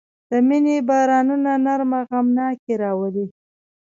د مني بارانونه نرمه غمناکي راولي